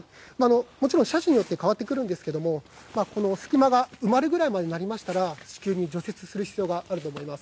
もちろん車種によって変わってくるんですが隙間が埋まるくらいまでになりましたら至急に除雪する必要があると思います。